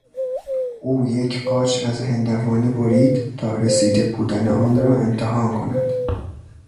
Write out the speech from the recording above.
او یک قاچ از هندوانه برید تا رسیده بودن آن را امتحان کند.